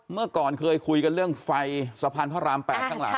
เมื่อก่อนเคยคุยกันเรื่องไฟสะพานพระราม๘ข้างหลัง